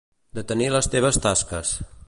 Detenir les teves tasques.